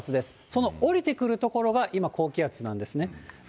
その下りてくるところが今、高気圧なんですね。